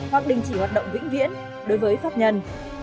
hoặc đình chỉ hoạt động vĩnh viễn đối với pháp nhân